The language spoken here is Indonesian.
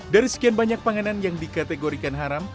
dari sekian banyak panganan yang dikategorikan haram